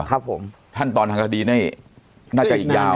ครับผมท่านตอนทางทดีน่าจะอีกยาว